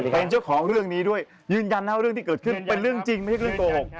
เป็นเจ้าของเรื่องนี้ด้วยยืนยันนะว่าเรื่องที่เกิดขึ้นเป็นเรื่องจริงไม่ใช่เรื่องโกหก